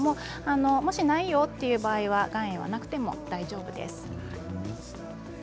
もしないよという場合には岩塩はなくても大丈夫です。